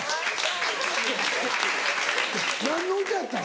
何の歌やったん？